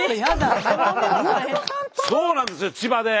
そうなんですよ千葉で！